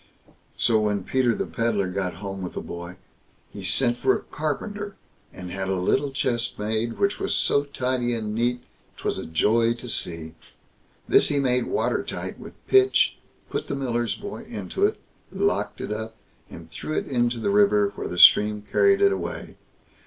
So when Peter the Pedlar got home with the boy, he sent for a carpenter, and had a little chest made, which was so tidy and neat, 'twas a joy to see. This he made water tight with pitch, put the miller's boy into it, locked it up, and threw it into the river, where the stream carried it away.